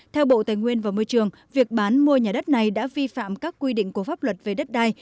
theo bộ tài nguyên và môi trường việc bán mua nhà đất này đã vi phạm các quy định của pháp luật về đất đai